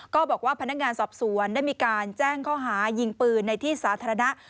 ก็บอกว่าพนักงานสอบสวนได้มีการแจ้งข้อหายิงปืนในที่สาธารณะ